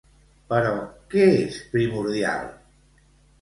Però, què és primordial?